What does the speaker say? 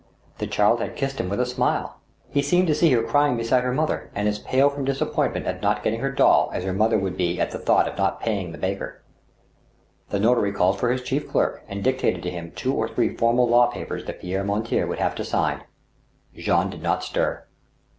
The child had kissed him with a smile. He seemed to see her crying beside her mother, and as pale from disappointment at not getting her doll as her mother would be at the thought of not pay ing the baker. The notary called for his chief clerk and dictated to him two or three formal law papers that Pierre Mortier would have to sign. Jean did not stir.